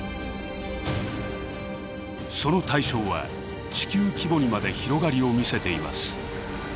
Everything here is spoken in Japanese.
その対象は地球規模にまで広がりを見せています。